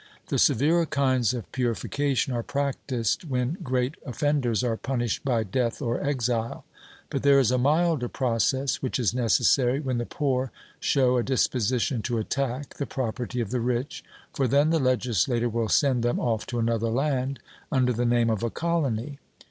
The severer kinds of purification are practised when great offenders are punished by death or exile, but there is a milder process which is necessary when the poor show a disposition to attack the property of the rich, for then the legislator will send them off to another land, under the name of a colony.